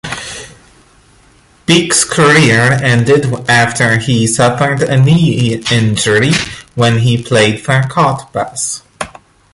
Beeck's career ended after he suffered a knee injury when playing for Cottbus.